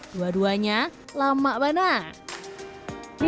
dua duanya lama banget